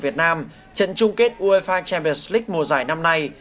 trận chung kết uefa champions league mùa giải năm nay